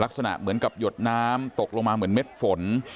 ลักษณะเหมือนกับหยดน้ำตกลงมาเหมือนเม็ดฝน